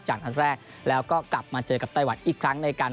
นัดแรกแล้วก็กลับมาเจอกับไต้หวันอีกครั้งในการ